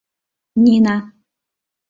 Нина.